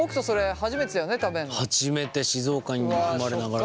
初めて静岡に生まれながら。